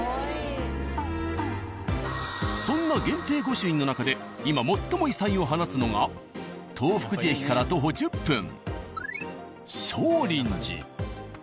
そんな限定御朱印の中で今最も異彩を放つのが東福寺駅から徒歩１０分勝林寺。